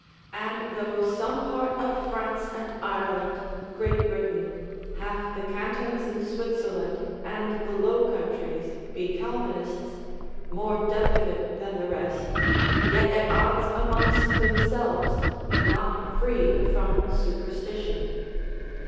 And though some part of France and Ireland, Great Britain, half the cantons in Switzerland, and the Low Countries, be Calvinists, more defecate than the rest, yet at odds amongst themselves, not free from superstition.